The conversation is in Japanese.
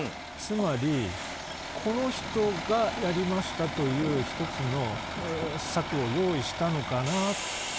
つまりこの人がやりましたという１つの策を用意したのかなと。